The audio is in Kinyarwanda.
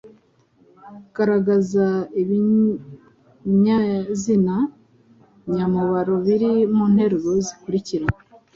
Garagaza ibinyazina nyamubaro biri mu nteruro zikurikira